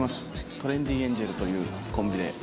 トレンディエンジェルというコンビで。